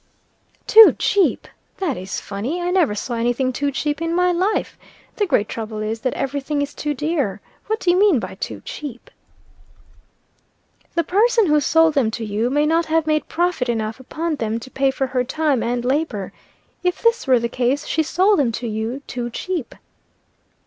"Too cheap! That is funny! I never saw any thing too cheap in my life. The great trouble is, that every thing is too dear. What do you mean by too cheap?" "The person who sold them to you may not have made profit enough upon them to pay for her time and labor. If this were the case, she sold them to you too cheap."